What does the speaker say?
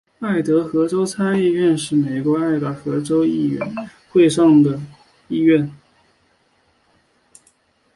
爱达荷州参议院是美国爱达荷州议会的上议院。